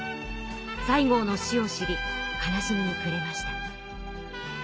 西郷の死を知り悲しみにくれました。